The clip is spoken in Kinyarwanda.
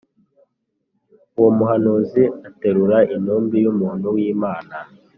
Uwo muhanuzi aterura intumbi y’umuntu w’Imana